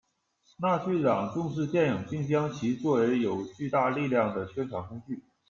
纳粹党重视电影并将其作为有巨大力量的宣传工具。